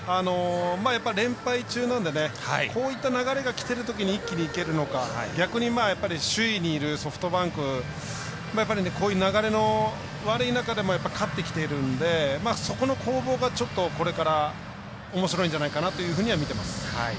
やっぱり連敗中なのでこうやって流れがきているときに一気にいけるのか逆に、首位にいるソフトバンクこういう流れの悪い中でも勝ってきてるので、そこの攻防がちょっとこれからおもしろいんじゃないかなとは見ています。